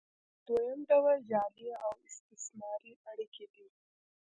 دویم ډول جعلي او استثماري اړیکې دي.